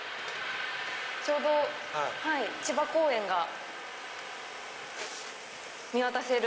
ちょうど千葉公園が見渡せる。